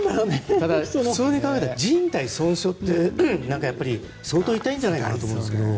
ただ、普通に考えてじん帯損傷ってなんか相当痛いんじゃないかなと思いますけど。